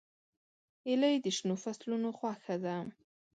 هیلۍ د شنو فصلونو خوښه ده